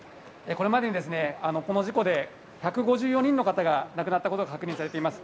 これまでにこの事故で１５４人の方が亡くなったことが確認されています。